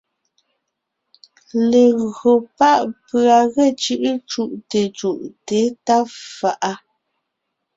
Legÿo pá’ pʉ̀a ge cʉ́’ cú’te cú’te tá fa’a,